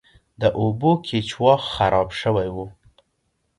د اوبو کیچوا خراب شوی و.